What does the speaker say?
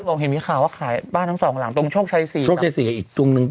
บอกเห็นมีข่าวว่าขายบ้านทั้งสองหลังตรงโชคชัยศรีโชคชัยศรีอีกตรงนึง